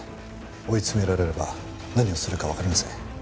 追い詰められれば何をするかわかりません。